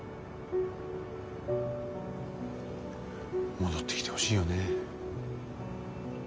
戻ってきてほしいよね。